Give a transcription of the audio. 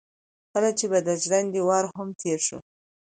کله چې به د ژرندې وار هم تېر شو.